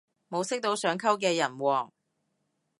冇識到想溝嘅人喎